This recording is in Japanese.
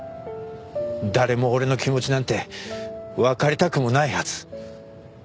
誰も俺の気持ちなんてわかりたくもないはず。